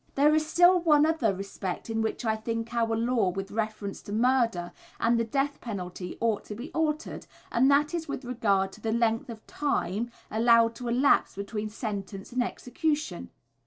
There is still one other respect in which I think that our law with reference to murder and the death penalty ought to be altered, and that is with regard to the length of time allowed to elapse between sentence and execution.